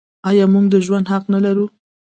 آیا موږ د ژوند حق نلرو؟